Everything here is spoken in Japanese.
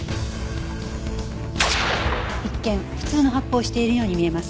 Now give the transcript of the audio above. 「」一見普通の発砲をしているように見えます。